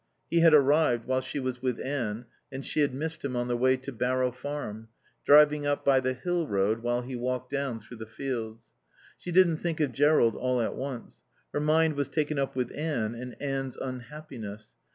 He had arrived while she was with Anne and she had missed him on the way to Barrow Farm, driving up by the hill road while he walked down through the fields. She didn't think of Jerrold all at once. Her mind was taken up with Anne and Anne's unhappiness.